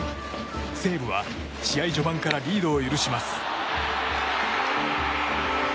西武は試合序盤からリードを許します。